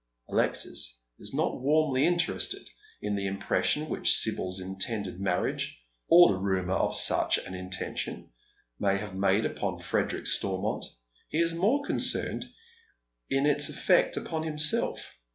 Alexis is not warmly interested in the impression which Sibyl's intended marriage — or the rumour of such an intention — may have made upon Frederick Stormont. He is more concerned in its effect upon himself.